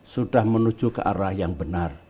sudah menuju ke arah yang benar